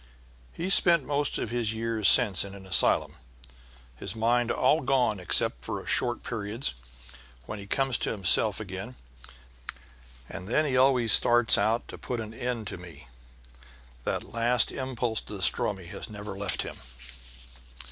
And he's spent most of his years since then in an asylum, his mind all gone except for short periods, when he comes to himself again, and then he always starts out to put an end to me. That last impulse to destroy me has never left him."